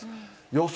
予想